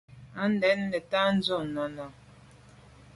À dun neta dut nà nène.